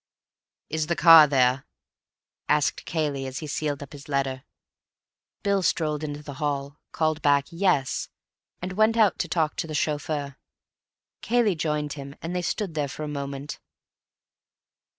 "Is the car there?" asked Cayley, as he sealed up his letter. Bill strolled into the hall, called back "Yes," and went out to talk to the chauffeur. Cayley joined him, and they stood there for a moment.